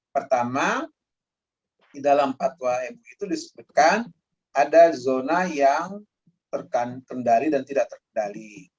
pertama di dalam patwa mui itu disebutkan ada zona yang terkendali dan tidak terkendali